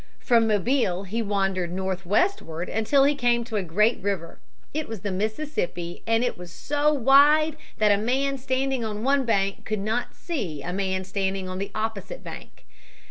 From Mobile he wandered northwestward until he came to a great river. It was the Mississippi, and was so wide that a man standing on one bank could not see a man standing on the opposite bank.